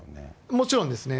もちろんですね。